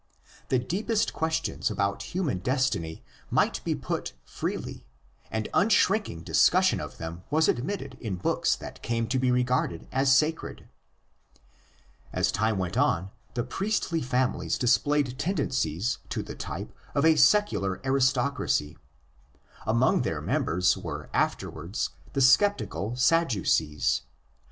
The deepest questions about human destiny might be put freely; and unshrinking dis cussion of them was admitted in books that came to be regarded as sacred. As time went on the priestly families displayed tendencies to the type of a secular aristocracy. Among their members were afterwards the sceptical Sadducees.